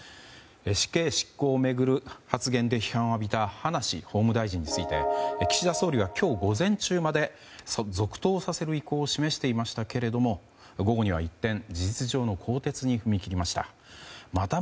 死刑執行を巡る発言で批判を浴びた葉梨法務大臣について岸田総理は今日午前中まで続投させる意向を示していましたけども午後には一転事実上の更迭に踏み切りました。